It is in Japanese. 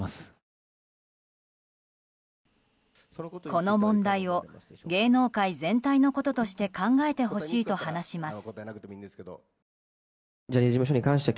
この問題を芸能界全体のこととして考えてほしいと話します。